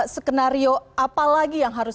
skenario apa lagi yang harus